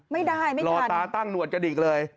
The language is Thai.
ไม่ได้รอตาตั้งหนวดกระดิกเลย